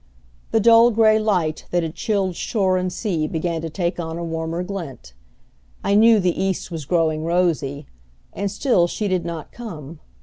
The dull gray light that had chilled shore and sea began to take on a warmer glint. I knew the east was growing rosy. And still she did not come.